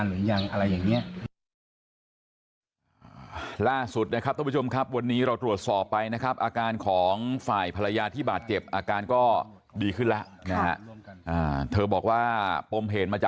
ค่ะค่ะค่ะค่ะค่ะค่ะค่ะค่ะค่ะค่ะค่ะค่ะค่ะค่ะค่ะค่ะค่ะค่ะค่ะ